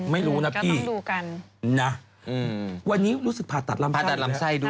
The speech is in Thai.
ไม่รู้นะพี่นะวันนี้รู้สึกผ่าตัดลำไส้เหรอคะผ่าตัดลำไส้ด้วย